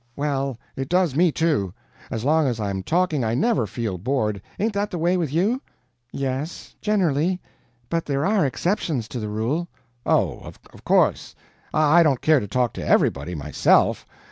"Well, it does me, too. As long as I'm talking I never feel bored ain't that the way with you?" "Yes generally. But there are exception to the rule." "Oh, of course. I don't care to talk to everybody, MYSELF.